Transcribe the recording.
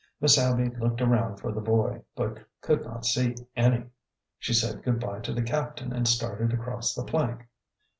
Miss Abby looked around for the boy, but could not see any. She said good by to the captain and started across the plank.